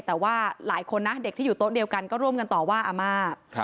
แต่ว่าหลายคนนะเด็กที่อยู่โต๊ะเดียวกันก็ร่วมกันต่อว่าอาม่า